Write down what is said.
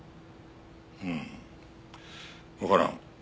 うんわからん。